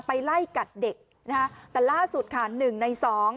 คุณผู้ชมเดี๋ยวอยากให้ดูบรรยากาศที่เจ้าหน้าที่จะไปจับหมาจรจัดด้วยการยิงยาสลบค่ะ